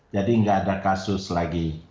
jadi nggak ada kasus lagi